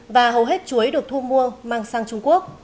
và hầu hết chuối được thu mua mang sang trung quốc